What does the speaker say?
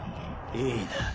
いいなッ！